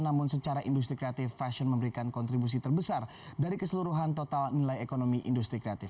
namun secara industri kreatif fashion memberikan kontribusi terbesar dari keseluruhan total nilai ekonomi industri kreatif